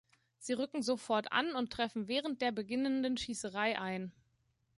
Sie rücken sofort an und treffen während der beginnenden Schießerei ein.